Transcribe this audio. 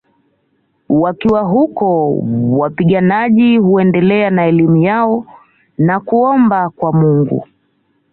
Wakiwa huko wapiganaji huendelea na elimu yao na kuomba kwa Mungu